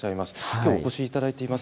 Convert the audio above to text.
きょうお越しいただいています。